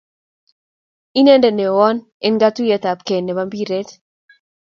Inendet newon en katuyet ab kee nebo mpiret ab out